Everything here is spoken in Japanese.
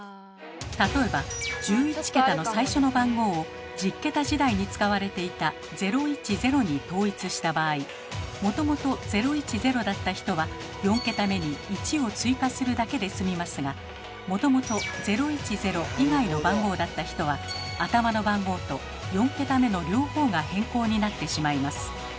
例えば１１桁の最初の番号を１０桁時代に使われていた「０１０」に統一した場合もともと「０１０」だった人は４桁目に「１」を追加するだけですみますがもともと「０１０」以外の番号だった人は頭の番号と４桁目の両方が変更になってしまいます。